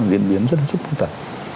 diễn biến rất là sức phúc tẩy